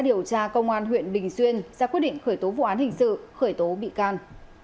điều tra công an huyện bình xuyên ra quyết định khởi tố vụ án hình sự khởi tố bị can